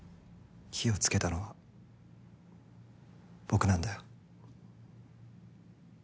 火をつけたのは僕なんだよ。